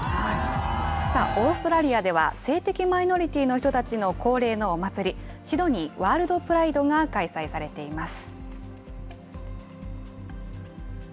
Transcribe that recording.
オーストラリアでは、性的マイノリティーの人たちの恒例のお祭り、シドニー・ワールドプライドが開催されています。